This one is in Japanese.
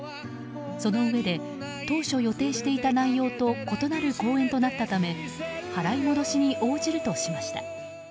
そのうえで当初予定していた内容と異なる公演となったため払い戻しに応じるとしました。